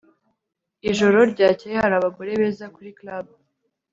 ijoro ryakeye hari abagore beza kuri club